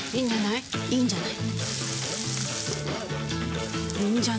いいんじゃない？